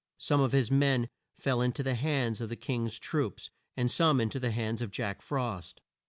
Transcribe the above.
Some of his men fell in to the hands of the King's troops, and some in to the hands of Jack Frost.